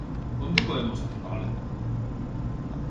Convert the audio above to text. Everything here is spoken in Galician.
Onde podemos atopalo?